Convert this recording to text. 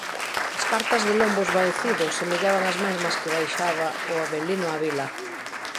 As cartas de lombo esvaecido semellaban as mesmas que baixaba o Avelino á vila.